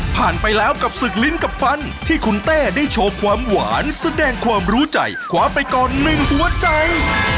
ไปแล้วกับศึกลิ้นกับฟันที่คุณเต้ได้โชว์ความหวานแสดงความรู้ใจคว้าไปก่อนหนึ่งหัวใจ